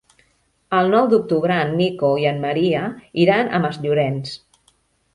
El nou d'octubre en Nico i en Maria iran a Masllorenç.